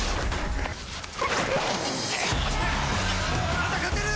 まだ勝てる！